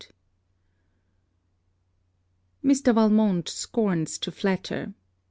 VALMONT Mr. Valmont scorns to flatter.